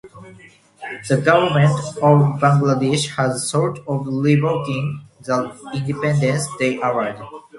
The Government of Bangladesh has thought of revoking the Independence Day Award.